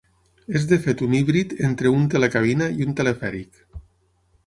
És de fet un híbrid entre un telecabina i un telefèric.